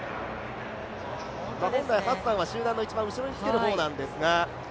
本来ハッサンは集団の一番後ろにつけるほうなんですが。